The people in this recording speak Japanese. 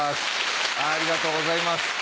ありがとうございます。